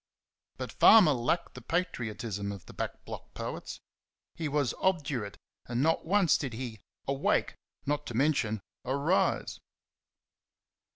But Farmer lacked the patriotism of the back block poets. He was obdurate, and not once did he "awake," not to mention "arise".